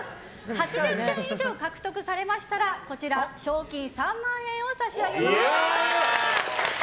８０点以上獲得されましたらこちら賞金３万円を差し上げます。